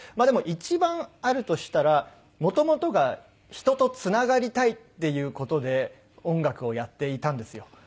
でも一番あるとしたら元々が人とつながりたいっていう事で音楽をやっていたんですよ。